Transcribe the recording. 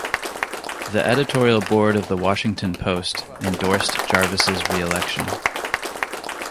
The editorial board of The Washington Post endorsed Jarvis' reelection.